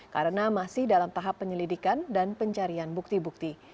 karena masih dalam tahap penyelidikan dan pencarian bukti bukti